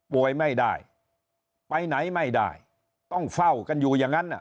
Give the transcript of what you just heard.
ไม่ได้ไปไหนไม่ได้ต้องเฝ้ากันอยู่อย่างนั้น